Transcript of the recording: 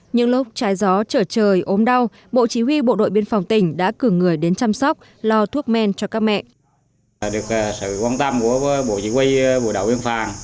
những lúc trái gió trở trời ốm đau bộ chỉ huy bộ đội biên phòng tỉnh đã cử người đến chăm sóc lo thuốc men cho các mẹ